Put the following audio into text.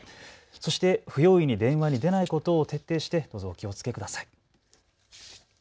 そして不用意に電話に出ないことを徹底してお気をつけください。